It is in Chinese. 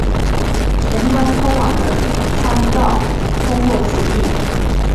田端通往的参道通过此地。